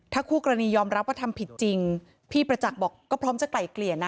ถ้าคู่กรณียอมรับว่าทำผิดจริงพี่ประจักษ์บอกก็พร้อมจะไกลเกลี่ยนะ